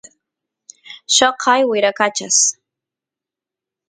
lloqay wyrakachas